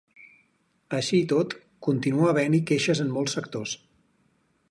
Així i tot, continua havent-hi queixes en molts sectors.